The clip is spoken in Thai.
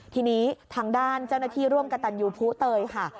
ทีนี้ทางด้านเจ้าหน้าที่ร่วมกับตันยูภูเตยค่ะ